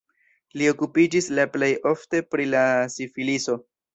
Li okupiĝis la plej ofte pri la sifiliso.